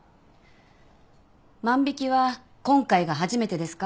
万引は今回が初めてですか？